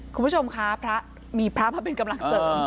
คุณผู้ชมคะพระมีพระมาเป็นกำลังเสริม